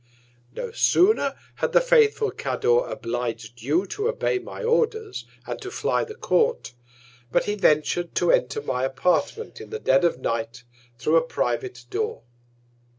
No sooner had the faithful Cador oblig'd you to obey my Orders, and to fly the Court, but he ventur'd to enter my Apartment in the Dead of Night thro' a private Door.